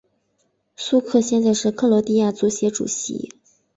苏克现在是克罗地亚足协主席。